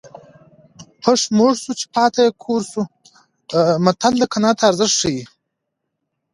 پښ موړ شو چې پاته یې کور شو متل د قناعت ارزښت ښيي